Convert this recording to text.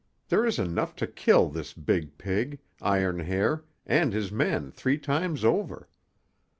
There is enough to kill this big pig, Iron Hair, and his men three times over.